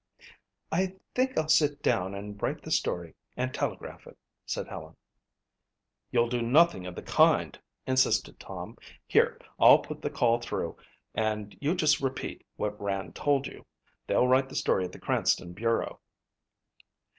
"I think I'll sit down and write the story and telegraph it," said Helen. "You'll do nothing of the kind," insisted Tom. "Here, I'll put the call through and you just repeat what Rand told you. They'll write the story at the Cranston bureau."